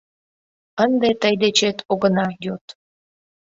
Ынде тый дечет огына йод.